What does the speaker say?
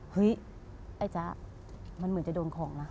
เฮ้ยไอ้จ๊ะมันเหมือนจะโดนของนะ